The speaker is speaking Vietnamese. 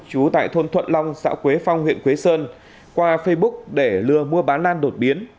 chú tại thôn thuận long xã quế phong huyện quế sơn qua facebook để lừa mua bán lan đột biến